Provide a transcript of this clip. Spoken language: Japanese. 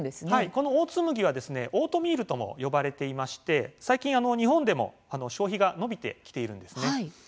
このオーツ麦はオートミールとも呼ばれていまして最近日本でも消費が伸びてきているんですね。